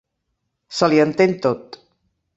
Se li entén tot.